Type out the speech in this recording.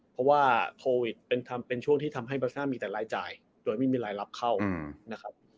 เพราะว่าโควิดเป็นช่วงที่ทำให้บาสน่ามีแต่รายจ่ายโดยไม่มีรายรับเข้านะครับ